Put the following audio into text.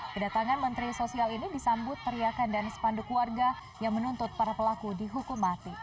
kedatangan menteri sosial ini disambut teriakan dan sepanduk warga yang menuntut para pelaku dihukum mati